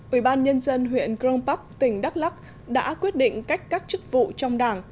ủy ban nhân dân huyện crong park tỉnh đắk lắc đã quyết định cách các chức vụ trong đảng